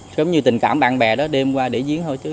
giống như tình cảm bạn bè đó đêm qua để diễn thôi